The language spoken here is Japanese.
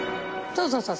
そうそうそう。